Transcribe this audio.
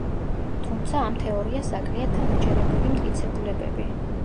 თუმცა, ამ თეორიას აკლია დამაჯერებელი მტკიცებულებები.